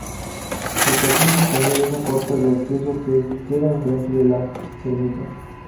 El castillo disponía de una puerta de acceso que queda enfrente de la ermita.